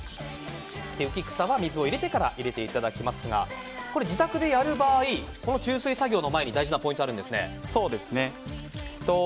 浮き草は水を入れてから入れていただきますがこれ、自宅でやる場合この注水作業の前に大事なポイントがあるんですよね。